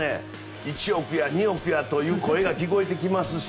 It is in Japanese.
１億や２億やという声が聞こえてきますし。